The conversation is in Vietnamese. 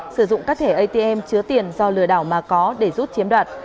sử dụng các thẻ atm chứa tiền do lừa đảo mà có để rút chiếm đoạt